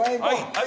はい。